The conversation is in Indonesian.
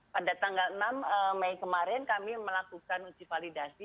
pada tanggal enam mei kemarin kami melakukan uji validasi